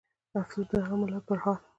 افسوس د هغه ملت پرحال